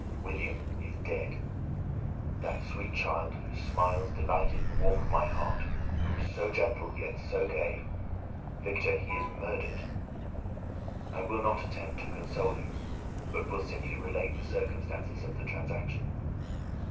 "William is dead!—that sweet child, whose smiles delighted and warmed my heart, who was so gentle, yet so gay! Victor, he is murdered! "I will not attempt to console you; but will simply relate the circumstances of the transaction.